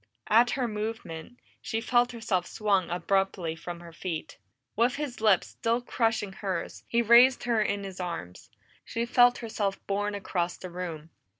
At her movement, she felt herself swung abruptly from her feet. With his lips still crushing hers, he raised her in his arms; she felt herself borne across the room.